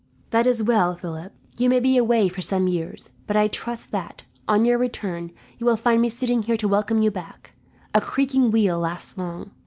"That is well, Philip. You may be away for some years, but I trust that, on your return, you will find me sitting here to welcome you back. A creaking wheel lasts long.